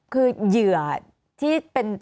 เหยื่อที่เป็น